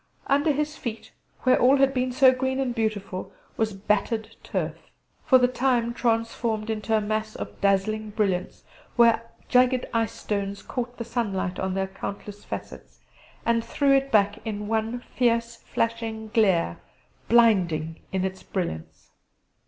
Under his feet, where all had been so green and beautiful, was battered turf, for the time transformed into a mass of dazzling brilliants, where jagged ice stones caught the sunlight on their countless facets, and threw it back in one fierce flashing glare, blinding in its brilliance.